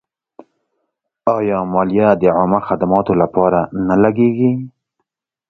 آیا مالیه د عامه خدماتو لپاره نه لګیږي؟